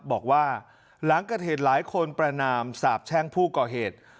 บอกว่าหลังเกิดเหตุหลายคนประนามสาบแช่งผู้ก่อเหตุ